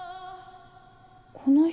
この人。